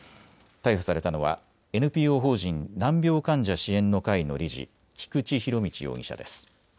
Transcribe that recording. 逮捕されたのはＮＰＯ法人難病患者支援の会の理事、菊池仁達容疑者です。